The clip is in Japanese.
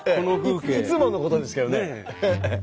いつものことですけどね。